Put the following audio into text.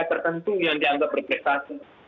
tertentu yang dianggap berprestasi